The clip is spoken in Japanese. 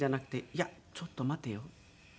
いやちょっと待てよ。